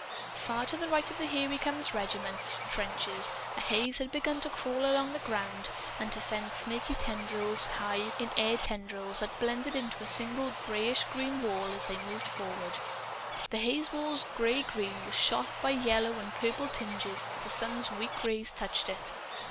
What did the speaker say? Far to the right of the Here We Come regiment's trenches a haze had begun to crawl along the ground and to send snaky tendrils high in air tendrils that blended into a single grayish green wall as they moved forward. The hazewall's gray green was shot by yellow and purple tinges as the sun's weak rays touched it.